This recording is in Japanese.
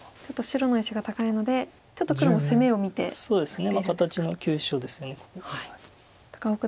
ちょっと白の石が高いのでちょっと黒も攻めを見て打ってるんですか。